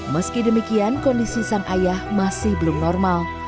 meski demikian kondisi sang ayah masih belum normal